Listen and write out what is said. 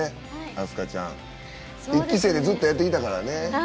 飛鳥ちゃん、１期生でずっとやってきたからね。